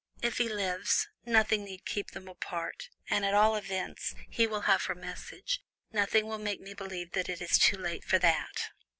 If he lives, nothing need keep them apart, and at all events, he will have her message. Nothing will make me believe that it is too late for that."